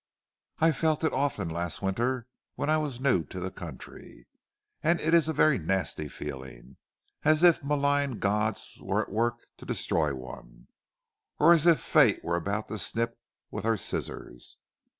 I felt it often last winter when I was new to the country, and it is a very nasty feeling as if malign gods were at work to destroy one, or as if fate were about to snip with her scissors."